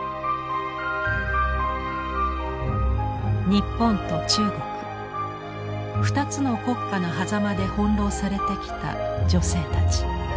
日本と中国二つの国家のはざまで翻弄されてきた女性たち。